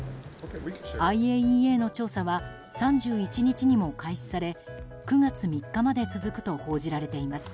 ＩＡＥＡの調査は３１日にも開始され９月３日まで続くと報じられています。